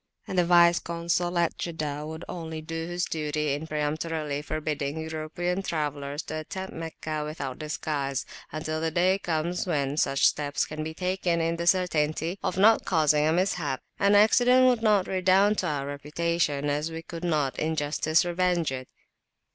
And the Vice Consul at Jeddah would only do his duty in peremptorily forbidding European travellers to attempt Meccah without disguise, until the day comes when such steps can be taken in the certainty of not causing a mishap; [p.241] an accident would not redound to our reputation, as we could not in justice revenge it.